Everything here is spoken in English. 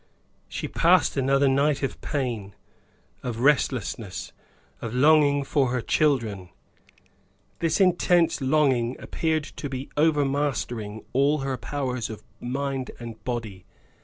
She passed another night of pain, of restlessness, of longing for her children; this intense longing appeared to be overmastering all her powers of mind and body.